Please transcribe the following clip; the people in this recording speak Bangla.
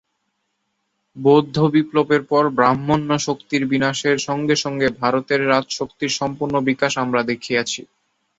বৌদ্ধবিপ্লবের পর ব্রাহ্মণ্যশক্তির বিনাশের সঙ্গে সঙ্গে ভারতের রাজশক্তির সম্পূর্ণ বিকাশ আমরা দেখিয়াছি।